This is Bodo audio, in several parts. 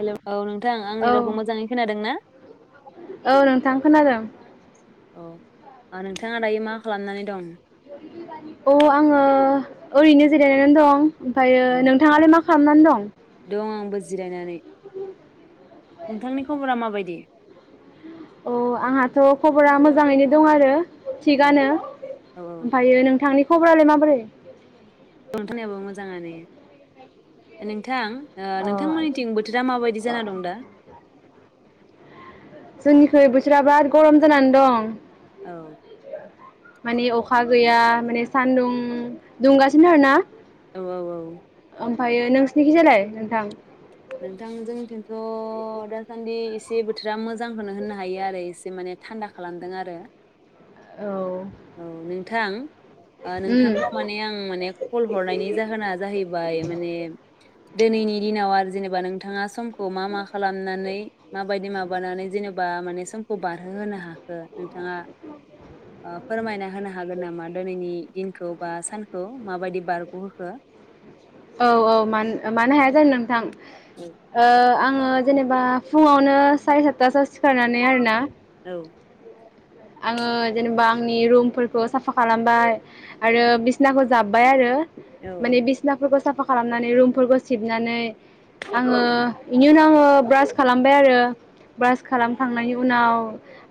हेलौ औ नोंथां औ आंनि रावखौ मोजाङै खोनादोंना? औ नोंथां खोनादों औ ओ नोंथाङा दायो मा खालामनानै दं? अ आङो ओरैनो जिरायनानै दं ओमफ्रायायो औ नोंथाङालाय मा खालामनानै दं दं आंबो जिरायनानै नोंथांनि खबरा माबायदि औ आंहाथ' खबरा मोजाङैनो दं आरो औौ थिगानो औ औ ओमफ्रायो नोंथांनि? खबरालाय माबोरै? नोंथांनियाबो मोजाङानो नोंथां। ओ अ नोंथांमोननिथिं आदसा बोथोरा माबायदि जाना दं दा? जोंनिखुइ बोसोरा बाराद गरम जानानै दं। औ माने अखा गैया माने सानदुं दुंगासिनो आरो ना। औ औ औ ओमफायो नोंसिनिखि जालाय नोंथां? नोंथां जोंथिंथ' दासान्दि एसे बोथोरा मोजांखौनो होननो हायो आरो एसे माने थान्दा खालामदों आरो औ औ नोंथां ओ उम नोंथांखौ माने आं माने कल हरनायनि जाहोना जाहैबाय माने दिनैनि दिनाव आरो जेनेबा नोंथाङा समखौ मा मा खालामनानै माबायदि माबानानै जेनेबा माने समखौ बारहोहोनो हाखो नोंथाङा फोरमायना होनो हागोन नामा दोनैनि दिन खौ बा सानखौ म बायदि बारग' होखो? औ औ मानो मानो हाया जानो नोंथां। ओ आं ओ जेनेबा फुङावनो साराय सातथासोयाव सिखारनानै आरो ना। [inaudible] आङो जेनेबा आंनि रुमफोरखौ साफा खालामबाय आरो बिसिनाखौ जाब्बाय आरो औ माने बिसना फो साफा खालामनानै रुमफोरखौ सिबनानै आङो बेनि उनाव आङो ब्रास खालामबाय आरो ब्रास खालामखांनायनि उनाव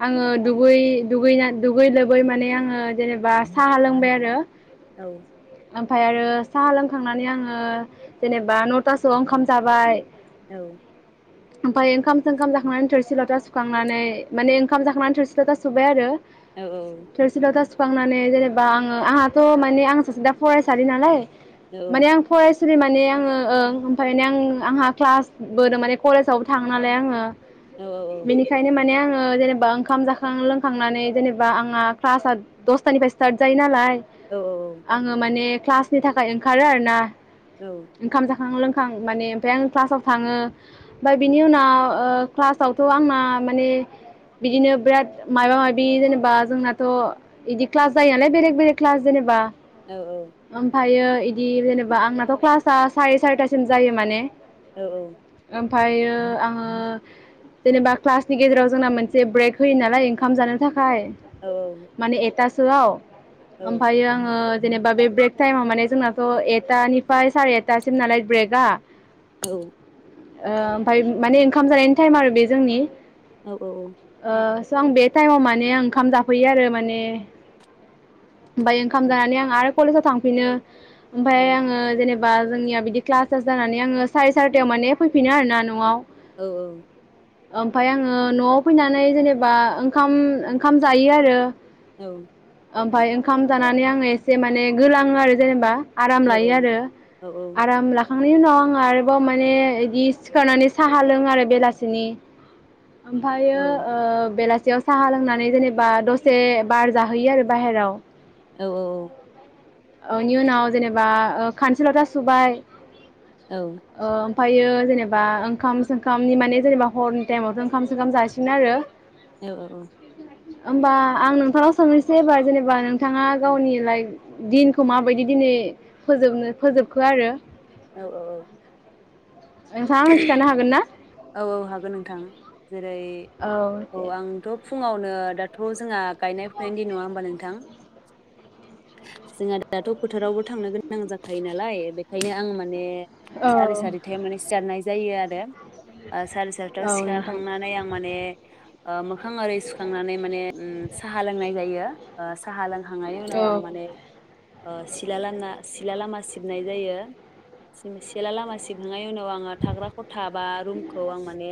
आङो दु दुगै दुगैना दुगै लोबै माने आङो जेनेबा साहा लोंबाय आरो औ ओमफाय आरो साहा लोंखांनानै आङो जेनेबा नथासोआव ओंखाम जाबाय। औ ओमफाय ओंखाम सोंंखाम जाखांनानै थोरसि लथा सुखांनानै माने ओंखाम जाखांनानै थोरसि था सुबाय आरो औ औ थोरसि लथा सुखांनानै जेनेबा आङो आंहाथ' माने आं सासे दा फरायसालि नालाय माने आं फराय सुलि माने आङो ओं ओमफाय माने आं आंहा क्लासबोदों माने कलेजावबो थाङो नालाय आङो। औ बेनिखायनो माने आङो ओ जेनेबा ओंखाम जा खां लोंखांनानै जेनेबा आंहा क्लासआ दसथानिफ्राय स्टार्ट जायो नालाय। आङो माने क्लासनि थाखाय ओंखारो आरोना। औ ओंखाम जा खां लोंखां माने ओमफाय आं क्लासाव थाङो ओमफाय बिनि उनाव क्लासावथ' आंना माने बिदिनो बिराद मायबा मायबि जेनेबा जोंनाथ' इदि क्लास जायो नालाय बेरेक बेलेग क्लास जेनेबा औ ओमफायो इदि जेनेबा आंनाथ' क्लासा साराय सारिथासिम जायो माने। औ ओमफायो आङो जेनेबा क्लासनि गेजेराव जोंना मोनसे ब्रेक होयो नालाय। ओंखाम जानो थाख फाय औ औ माने एथा सिम [unintelligible] ओमफ्राय आङो जेनोबा बे ब्रेक टाइमाव माने जोंनाथ' एटानिफ्राय सारि एथासिम नालाय ब्रेकआ। औ। ओ ओमफ्राय माने ओंखाम जानायनि टाइम आरो बे जोंनि। औ औ औ। थ' आं बे टाइमाव माने ओंखाम जाफैयो आरो माने ओमफ्राय ओंखाम जानानै आं आर कलेजाव थांफिनो। ओमफ्राय आङो जेनो बा जोंनिया बिदि क्लास तास जानानै आङो सारि सारिथायाव माने फैफिनो आरोना न'आव। औ औ। ओमफ्रायाय आङो न'आव फैनानै जेनोबा ओंखाम ओंखाम जायो आरो। औ। ओमफ्राय ओंखाम जानानै आङो एसे माने गोलाङो आरो जेनोबा आराम लायो आरो आराम ला खांनायनि उनाव आं आरोबाव माने बिदि सिखारनानै साहा लों आरो बेलासिनि। ओमफ्रायो ओ बेलासे साहा लोंनानै जेनोबा दसे बार जाहैयो आरो बायहेराव। औ औ औ। औ इनि उनाव जेनोबा ओ खानसि लथा सुबाय औ। ओमफायो जेनोबा ओंखाम सोंखामनि माने जेनोबा हरनि टाइमावथ' ओंखाम सोंखाम जासिन आरो। औ औ औ। होमबा आं नोंथांनाव सोंहनोसै एबार जेनोबा नों थाङा औ गावनि लाइप दिनखौ माबायदि दिनै फोजोबनो फोजोबखो आरो औ औ औ। नोंथांङा आंनो खिन्थानो हागोन ना? औ औ हागोन नोंथां। जेरै औ आंथ' फुङाव नो दाथ' जोंहा गायनाय फुनायनि दिन नङा होनबा नोंथां? जोंहा दाथ' फोथारावबो थांनो गोनां जाखायो नालाय बेखायनो आं माने औ सारि सारि [unintelligible] जायो आरो। सारि सारितायाव औ नोंथां सिखारखांनानै आं माने ओ मो खां आरि सुखांनानै माने उम साहा लोंनाय जायो। ओ साहा लोंखांनायनि उनाव औ आं माने ओ सिला लामना सिला लामा सिबनाय जायो सि-सेला लामा सिबहांनायनि उनाव आङो थाग्रा खथा बा रुम खौ आं माने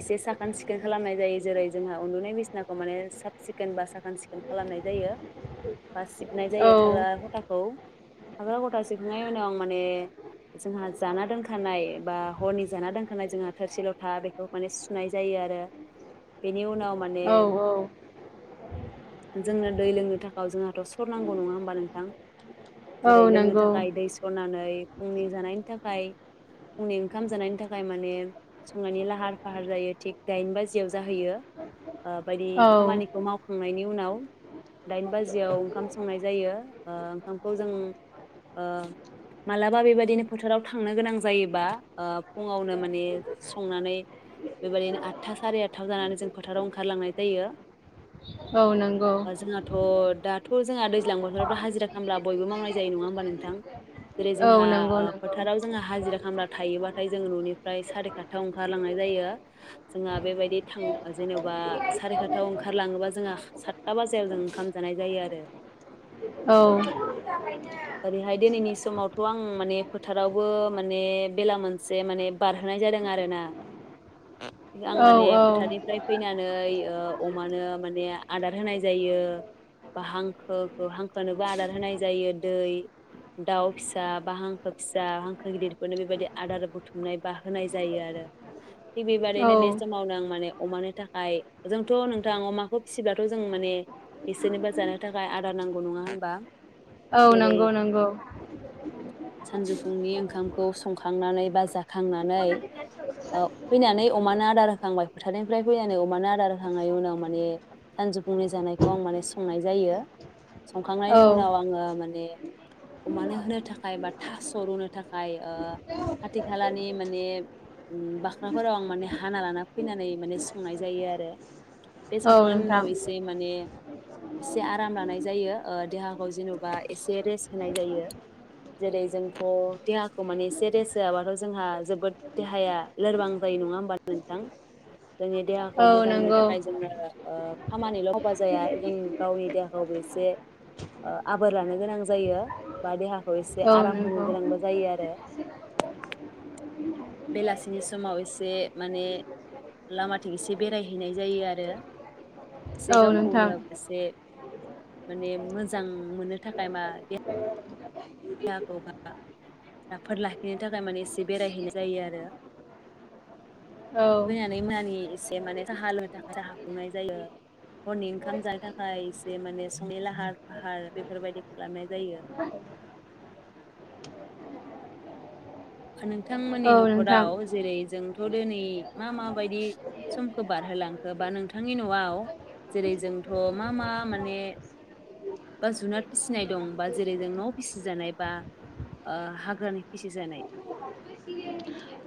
एसे साखोन सि सिखोन खालामनाय जायो जेरै जोंहा उन्दुनाय बिसिनाखौ माने साब सिखोन बा साखोन सिखोन खालामनाय जायो। बा सिबनाय औ जायो थाग्रा खथाखौ। थाग्रा खथा सिबखांनायनि उनाव आं माने जोंहा जाना दोनखानाय बा हरनि जाना दोनखानाय जोंहा थोरसि-लथा बेखौ माने सुनाय जायो आरो बे नि उनाव माने औ औ जोंनो दै लोंनो थाखाय जोंहा थ' सरनांगौ नङा होमबा नोंथां जेरै औ लोंनो नंगौ थाखाय दै सरनानै फुंनि जानायनि था खाय फुंनि ओंखाम जानायनि थाखाय माने संनानै लाहार-फाहार जायो थिग दाइन बाजिआव जाहैयो ओ बायदि औ खामानिखौ मावखांनायनि उनाव दाइन बाजियाव ओंखाम संनाय जायो ओ ओंखामखौ जों ओ मालाबा बेबायदिनो फोथाराव थांनो गोनां जायोबा ओ फुङावनो मा ने संनानै बेबायदिनो आठथा सारि आठथा जानानै जों फोथाराव ओंखारलांनाय जायो। औ नंगौ ओ जोंहाथ' दा थ' जोंहा दैज्लां बोथोरावथ' हाजिरा खालामब्ला बयबो मावनाय जायो नङा होमबा नोंथां? जेरै औ जोंहा नंगौ ओ नंगौ फोथाराव जोंहा हाजिरा खामला थायोबाथाय जोंङो न'निफ्राय सारि खा थायाव ओंखारलांनाय जायो जोंहा बेबायदि थां जेनेबा सारि खात्थायाव ओंखारलाङोब्ला जोंहा सात्था बाजाराव जों ओंखाम जानाय जायो आरो औ आरैहाय दिनैनि समावथ' आं माने फोथारावबो माने बेला मोनसे माने बारहोनाय आरोना आं औ माने औ फोथारनिफ्राय फैनानै ओ अमा मानो माने आदार होनाय जायो हांखोखौ हांखोनोबो आदार होनाय जायो दै दाउ फिसा बा हांखो फिसा हांखो गिदिरफोरनो बेबायदि आदार बुथुमनाय बा होनाय जा जायो आरो थिग औ बेबायदिनो बे समावनो आं माने अमानो थाखाय जोंथ' नोंथां अमाखौ फिसिबाथ' जों माने बिसोरनोबो जानो थाखाय आदार नां गौ नङा होनबा? औ जेरै नंगौ नंगौ सानजौफुंनि ओंखामखौ संखांनानै बा खांनानै ओ फैनानै अमानो आदार होखांबाय फोथारनिफ्राय फैनानै अमा आदारखांनायनि उनाव मान सान बुंनि जानायखौ आं माने संनाय जायो। संखांनायनि औ उनाव आङो माने अमानो होनो थाखाय बा थास' रुनो थाखाय ओ खाथि ओ खालानि माने बाख्राफोराव आं माने हाना लाना फैनानै माने संनाय जायो आरो बे औ संखांनायनि नोंथां उनाव एसे माने एसे आराम लानाय जायो ओ देहाखौ जेनबा एसे रेस्ट होनाय जायो जेरै जोंथ देहाखौ माने एसे रेस होआबाथ जोंहा जोबोद देहाया लोरबां जायो नङा होमबा नोंथां। जोंनि देहाखौ औ मोजांनि नंगौ थाखाय जोङो खामानिल मावबा जाया जों गावनि देहाखौबो एसे ओ आबोर लानो गोनां जायो बा देहाखौ खौ एसे औ आराम होनो नंगौ गोनांबो जायो आरो बेलासिनि समाव एसे माने लामाथिं एसे बेरायहैनाय जायो आरो एसे औ नोंथां गावखौनो एसे माने मोजां मोननो थाखाय मा देहा देहाखौ बा राफोद लाखिनो थाखाय माने एसे बेरायहैनाय जायो आरो औ औ मैयानि मोनानि एसे माने साहा लोंनो थाखाय साहा खुनाय जायो हरनि ओंखाम जानो थाखाय एसे माने संनि लाहार फाहार बेफोरबायदि खालामनाय जायो। नोंथांमोननि नोंथां न'खराव जेरै जों थ' दिनै मा माबायदि समखौ बारहोलांखो बा नोंथांनि न'आव जेरै जोंथ' मा मा माने बा जुनार फिसिनाय दं बा जेरै जों न' फिसिजानाय बा हाग्रानि फिसि जानाय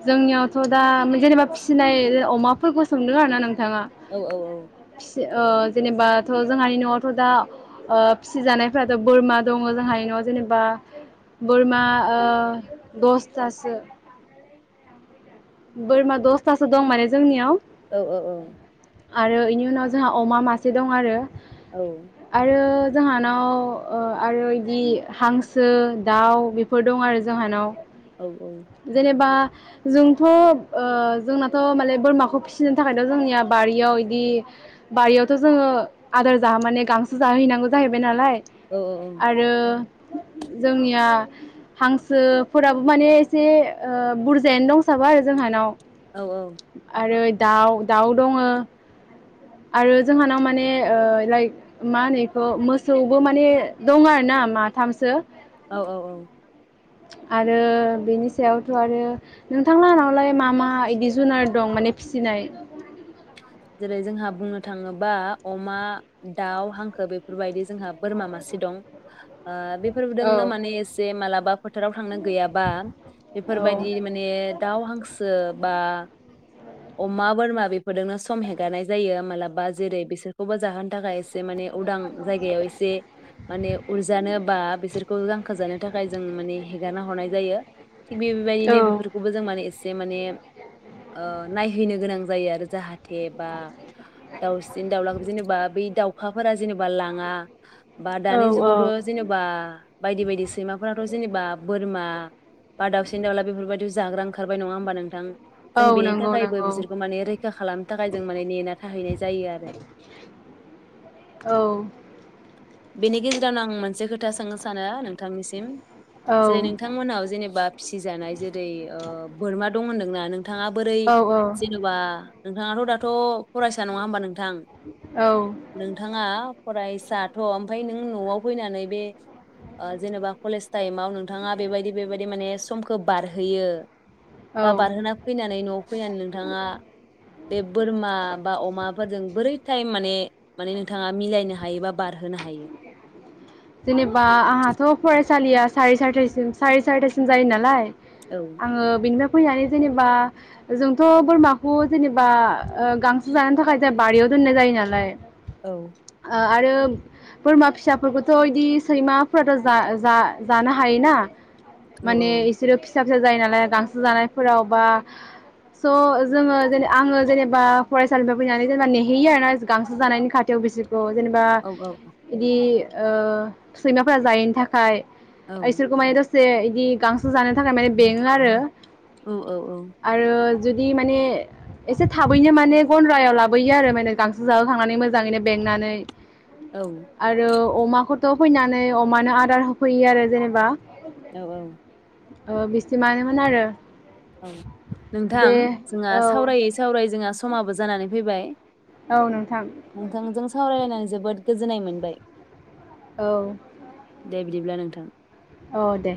जोंनियावथ' दा जेनेबा फिसिनाय अमा फोरखौ सोंदों आरोना नों बिथाङा औ औ फि ओ जेनेबाथ' जोंहानि न'आवथ' दा ओ फिसिजानायफ्राथ' बोरमा दङ जोंहानि न'आव जेनेबा बोरमा ओ दसथासो बोरमा दस्थासो दं माने जोंनियाव औ औ औ आरो बेनि उनाव जोंहा अमा मासे दं आरो औ आरो जोंहानाव औ आरो बिदि हांसो दाउ बेफोर दं आरो जोंहानाव औ जेनेबा जोंथ' ओ जोंनाथ' माने बोरमाखौ फिसिनो थाखायथ' जोंनिया बारियाव इदि बारियावथ' जोङो आदार जाहो माने गांसो जाहैनांगौ जाहैबाय नालाय औ आरो जोंनिया हांसोफोराबो माने एसे बुरजायानो दंसाबो आरो जोंहानाव। औ आरो दाउ दाउ दङ आरो जोंहानाव माने ओ लाइक मा होनो बेखौ मोसौबो माने दङ आरोना माथामसो। औ औ औ आरो बेनि सायावथ' आरो नोंथां लानावलाय मा मा बिदि जुनार दं माने फिसिनाय? जेरै जोंहा बुंनो थाङोबा अमा, दाउ, हांखो बेफोरबायदि जोंहा बोरमा मासे दं ओ औ बेफोरजोंनो माने एसे मालाबा फोथाराव थांनो गैयाबा औ बेफोरबायदि माने दाउ हांसो बा अमा बोरमा बेफोरजोंनो सम हेगारनाय जायो मालाबा जेरै बिसोरखौबो जाहोनो थाखाय से माने उदां जायगायाव एसे माने उरजानो बा बिसोरखौ गांखोजानो थाखाय जों माने हेगारना हरनाय जायो थिग बेबायदिनो औ बेफोरखौबो जों माने एसे माने ओ नायहैनो गोनां जायो आरो जाहा थे बा दाउसिन-दाउला जेनेबा बै दाउखाफोरा जेनेबा लाङा बा दानि औ जुगावथ' जेनेबा बायदि बायदि सैमाफोराथ' जेनेबा बोरमा बा दाउसिन दाउला बेफोरबायदियाव जाग्रा ओंखारबाय नङा होमबा नोंथां? जों औ बेनि नों थाखायबो बिसोरखौ माने रैखा खालामनो थाखाय जों माने नेना थाहैनाय जायो आरो औ बेनि गेजेरावनो आं मोनसे खोथा सोंनो सानो नोंथांनिसिम? औ जेरै नोंथांमोनाव जेनेबा फिसिजानाय जेरै ओ बोरमा दं होनदोंनानों? थाङा बोरै औ औ जेनेबा नोंथाङाथ' दाथ' फरायसा नङा होमबा नों थां औ नोंथाङा फरायसा थ' ओमफाय नों न'आव फैनानै बे जेनेबा कलेज टाइमाव नोंथाङा बेबायदि बेबायदि माने समखौ बारहोयो औ बा बारहोना फैनानै न'आव फैनानै नोंथाङा बे बोरमा बा अमाफोरजों बोरै टाइम। माने माने नोंथाआ मिलायनो हायोबा। बारहोनो हायो। जेनेबा आंहाथ' फरायसा। सालिया साराय सारिथासिम साराय सारिथासिम जायो नालाय। औ आङो बेनिनो। फैनानै जेनेबा जोंथ' बोरमाखौ जेनेबा गांसो जानो थाखाय ज बारियाव दोननाय जायो नालाय। औ। ओ आरो बोरमा फिसाफोरखौ। थ' बिदि सैमाफोराथ' जा-जा-जानो हायोना। औ माने इसोरो। फिसा फिसा जायो नालाय गांसो जानायफोराव बा स' जोङो जेन आङो जेनेबा फरायसालिफ्राय फैनानै जेनेबा नेहैयो आरोना गांसो जानायनि खाथियाव बिसोर। थ' जेनेबा औ बिदि। ओ सैमाफोरा जायैनि थाखाय। औ इसोरखौ [unintelligible] से इदि गां जानो थाखाय माने बेङो आरो औ आरो। जुदि माने एसे थाबैनो माने गन्द्रायाव लाबोयो आरो माने गांसो जाहोखांनानै मोजाङैनो बेंनानै। औ आरो। अमाखौथ' फैनानै अमानो आदार होफैयो आरो जेनेबा। औ औ। औ बिसिमानोमोन आरो। औ दे नोंथां जोंहा औ सावरायै सावरायै जोंहा समाबो जानानै फैबाय। औ नोंथां नोंथांजों सावरायलनानै जोबोद। गोजोननाय मोनबाय। औ। दे बिदिब्ला नोंथां। औ दे।